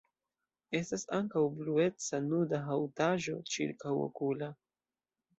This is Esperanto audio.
Estas ankaŭ blueca nuda haŭtaĵo ĉirkaŭokula.